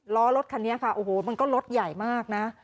ล้อรถคันนี้ค่ะโอ้โหมันก็รถใหญ่มากนะ